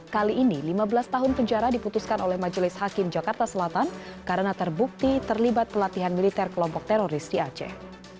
kali ini lima belas tahun penjara diputuskan oleh majelis hakim jakarta selatan karena terbukti terlibat pelatihan militer kelompok teroris di aceh